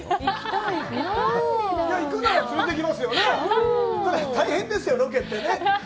ただ、大変ですよ、ロケってね。